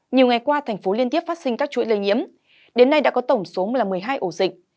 nhiều ngày qua thành phố liên tiếp phát sinh các chuỗi lây nhiễm đến nay đã có tổng số là một mươi hai ổ dịch